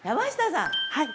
はい。